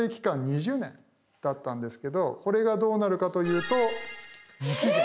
２０年だったんですけどこれがどうなるかというと無期限。